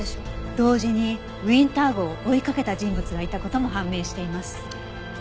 同時にウィンター号を追いかけた人物がいた事も判明しています。